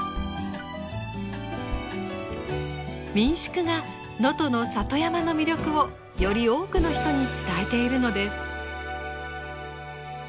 民宿が能登の里山の魅力をより多くの人に伝えているのです。